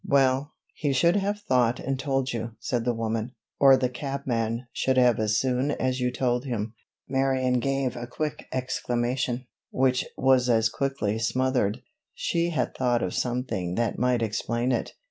"Well, he should have thought and told you," said the woman, "or the cabman should have as soon as you told him." Marion gave a quick exclamation, which was as quickly smothered. She had thought of something that might explain it.